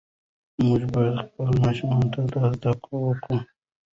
موږ باید خپلو ماشومانو ته دا ور زده کړو.